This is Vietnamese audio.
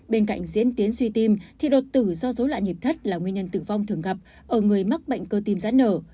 bên cạnh diễn tiến suy tim thì đột tử do dối loạn nhịp thất là nguyên nhân tử vong thường gặp ở người mắc bệnh cơ tim giãn nở